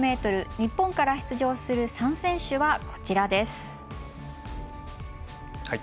日本から出場する３選手です。